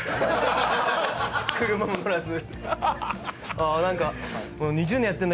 車も乗らず。